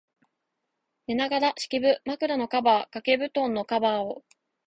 寝ながら、敷布、枕のカバー、掛け蒲団のカバーを、